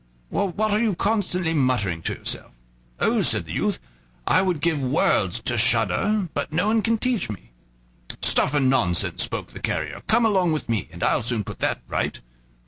"What are you constantly muttering to yourself?" "Oh!" said the youth, "I would give worlds to shudder, but no one can teach me." "Stuff and nonsense!" spoke the carrier; "come along with me, and I'll soon put that right."